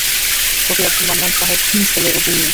ফকির আবদুল মান্নান শাহর তিন ছেলে ও দুই মেয়ে।